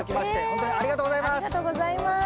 ほんとにありがとうございます！